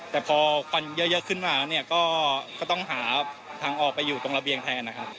แต่พอควันเยอะขึ้นมาเนี่ยก็ต้องหาทางออกไปอยู่ตรงระเบียงแทนนะครับ